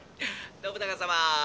「信長様